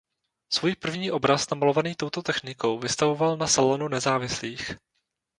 Svůj první obraz namalovaný touto technikou vystavoval na Salonu nezávislých.